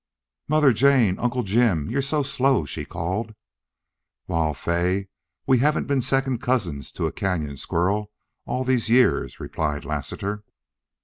"Mother Jane! Uncle Jim! You are so slow," she called. "Wal, Fay, we haven't been second cousins to a cañon squirrel all these years," replied Lassiter.